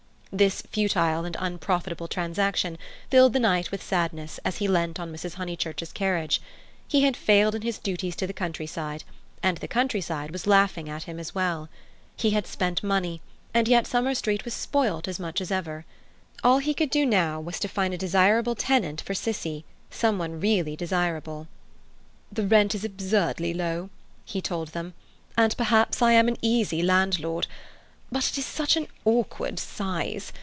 This futile and unprofitable transaction filled the knight with sadness as he leant on Mrs. Honeychurch's carriage. He had failed in his duties to the country side, and the country side was laughing at him as well. He had spent money, and yet Summer Street was spoilt as much as ever. All he could do now was to find a desirable tenant for "Cissie"—someone really desirable. "The rent is absurdly low," he told them, "and perhaps I am an easy landlord. But it is such an awkward size.